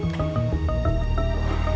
ibu elsa melaporkan ibu andin